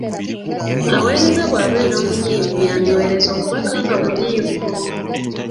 Aweereza bw’abeera omunyiivu yandiweereza obubaka nga munyiivu.